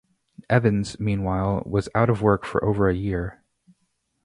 Evans, meanwhile, was out of work for over a year.